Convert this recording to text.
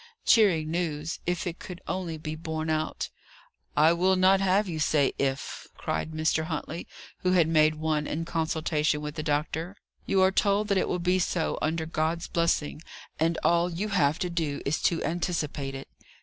Cheering news, if it could only be borne out. "I will not have you say 'If,'" cried Mr. Huntley, who had made one in consultation with the doctor. "You are told that it will be so, under God's blessing, and all you have to do is to anticipate it."